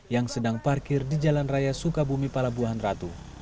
yang sedang parkir di jalan raya sukabumi palabuhan ratu